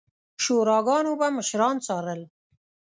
شوراګانو به مشران څارل